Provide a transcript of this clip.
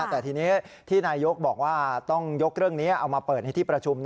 แต่ทีนี้ที่นายกบอกว่าต้องยกเรื่องนี้เอามาเปิดในที่ประชุม